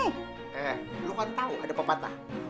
eh lo kan tahu ada pepatah